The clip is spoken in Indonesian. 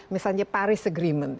misalnya paris agreement